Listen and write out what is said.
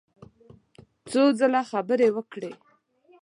څو ځله خبرې وکړې.